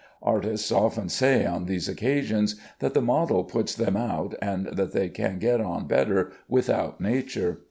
Artists often say on these occasions that the model puts them out, and that they can get on better without nature.